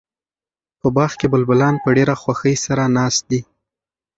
په باغ کې بلبلان په ډېره خوښۍ سره ناست دي.